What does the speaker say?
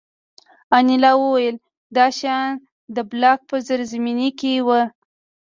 انیلا وویل دا شیان د بلاک په زیرزمینۍ کې وو